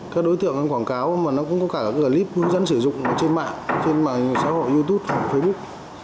các đối tiện quảng cáo cũng có cả các clip dân sử dụng trên mạng trên xã hội youtube facebook